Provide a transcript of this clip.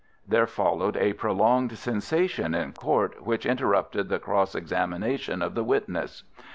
There followed a prolonged sensation in court, which interrupted the cross examination of the witness.